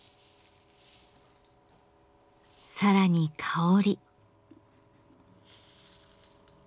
更に香り。